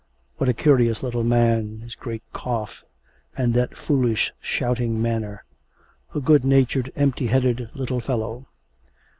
What a curious little man, his great cough and that foolish shouting manner; a good natured, empty headed little fellow.